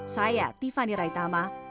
saya tiffany raitama uu mediacorp pte ltd